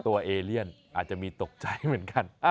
เอเลียนอาจจะมีตกใจเหมือนกัน